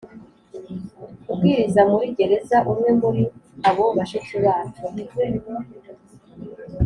kubwiriza muri gereza Umwe muri abo bashiki bacu